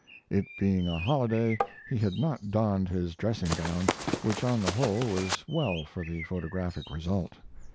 It being a holiday, he had not donned his dressing gown, which on the whole was well for the photographic result.